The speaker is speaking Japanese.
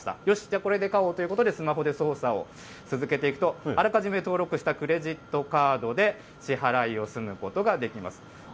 よし、じゃあ、これで買おうということでスマホで操作を続けていくと、あらかじめ登録したクレジットカードで支払いを済むことができます。